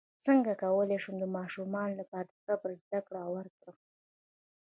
څنګه کولی شم د ماشومانو لپاره د صبر زدکړه ورکړم